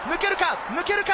抜けるか？